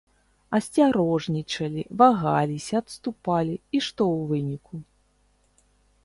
Асцярожнічалі, вагаліся, адступалі, і што ў выніку?